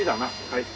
はい。